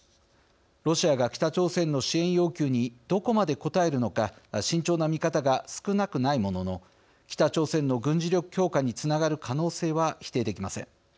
ロシアが北朝鮮の支援要求にどこまで応えるのか慎重な見方が少なくないものの北朝鮮の軍事力強化につながる可能性は否定できません。